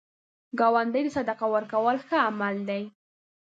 ګاونډي ته صدقه ورکول ښه عمل دی